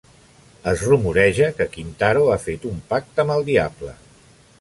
Es rumoreja que Kintaro ha fet un pacte amb el diable.